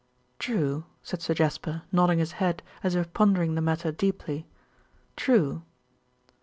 "True," said Sir Jasper, nodding his head as if pondering the matter deeply. "True."